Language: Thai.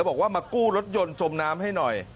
บอกว่ามากู้รถยนต์จมน้ำให้หน่อย